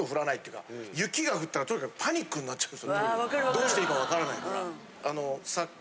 どうしていいか分からないから。